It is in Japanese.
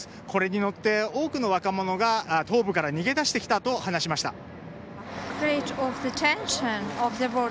これに乗って多くの若者が東部から逃げ出してきたと話しました。